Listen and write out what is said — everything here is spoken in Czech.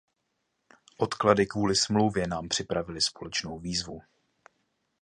Odklady kvůli smlouvě nám připravily společnou výzvu.